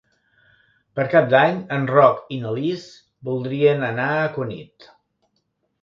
Per Cap d'Any en Roc i na Lis voldrien anar a Cunit.